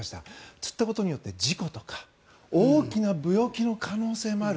つったことによって事故とか大きな病気の可能性もある。